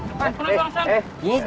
eh dia juga ikutan lagi